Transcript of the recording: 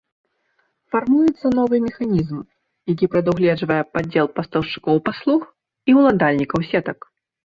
Фармуецца новы механізм, які прадугледжвае падзел пастаўшчыкоў паслуг і ўладальнікаў сетак.